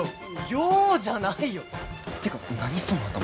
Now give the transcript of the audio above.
ようじゃないよてか何その頭。